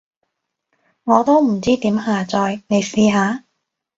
我都唔知點下載，你試下？